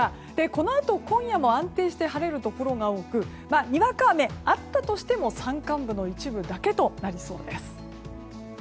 このあと今夜も安定して晴れるところが多くにわか雨、あったとしても山間部の一部だけとなりそうです。